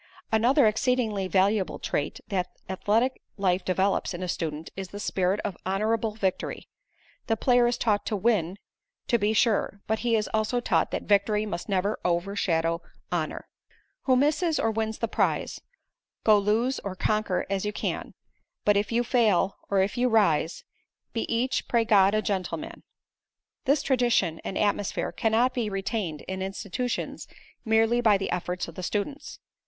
Another exceedingly valuable trait that athletic life develops in a student is the spirit of honorable victory. The player is taught to win, to be sure, but he is also taught that victory must never overshadow honor. Who misses or who wins the prize, Go lose, or conquer, as you can But if you fail, or if you rise, Be each, Pray God, a gentleman. This tradition and atmosphere cannot be retained in institutions merely by the efforts of the students.